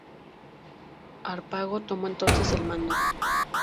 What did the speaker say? Harpago tomó entonces el mando.